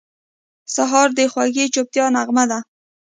سهار د خوږې چوپتیا نغمه ده.